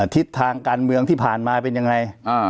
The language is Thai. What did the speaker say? ทิศทางการเมืองที่ผ่านมาเป็นยังไง